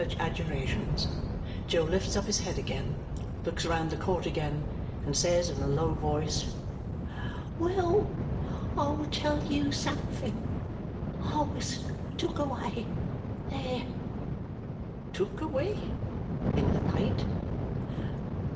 After two or three such adjurations, Jo lifts up his head again, looks round the court again, and says in a low voice, "Well, I'll tell you something. I was took away. There!" "Took away? In the night?"